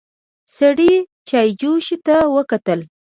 سړي چايجوشې ته وکتل.